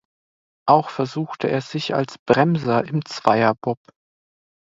Auch versuchte er sich als Bremser im Zweierbob.